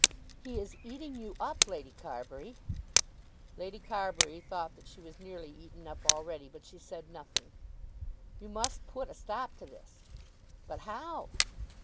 "He is eating you up, Lady Carbury." Lady Carbury thought that she was nearly eaten up already, but she said nothing. "You must put a stop to this." "But how?"